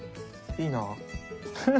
いいなあ。